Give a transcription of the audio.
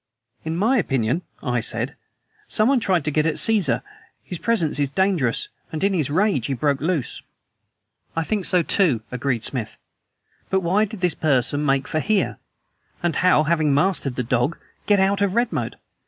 "In my opinion," I said, "someone tried to get at Caesar; his presence is dangerous. And in his rage he broke loose." "I think so, too," agreed Smith. "But why did this person make for here? And how, having mastered the dog, get out of Redmoat?